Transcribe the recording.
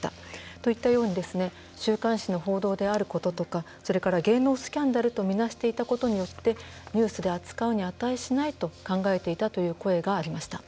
といったように週刊誌の報道であることとかそれから芸能スキャンダルと見なしていたことによってニュースで扱うに値しないと考えていたという声がありました。